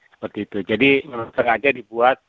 seperti itu jadi memang sengaja dibuat